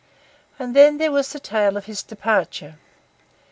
And then there was the tale of his departure.